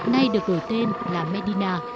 nay được gửi tên là medina